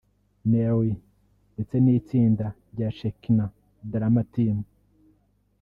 Nelly ndetse n’itsinda rya Shekinah Drama Team